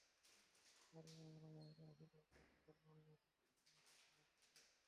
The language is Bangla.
আরে আমরা মহিলারা শুধু আপনাদের সম্মান নয়, বরং এই সমাজেরও পাহাড়াদার।